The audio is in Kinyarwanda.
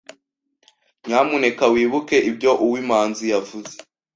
Nyamuneka wibuke ibyo Uwimanzi yavuze.